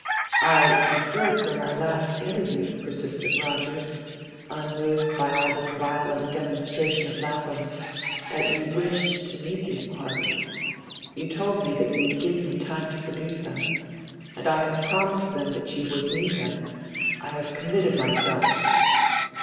"I inferred from our last interview," persisted Rogers, unmoved by all this violent demonstration of Lapham's, "that you wished to meet these parties. You told me that you would give me time to produce them; and I have promised them that you would meet them; I have committed myself."